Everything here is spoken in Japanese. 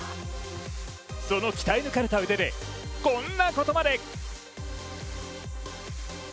その鍛え抜かれた腕で、こんなことまで。